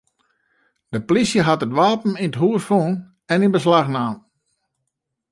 De plysje hat it wapen yn it hús fûn en yn beslach naam.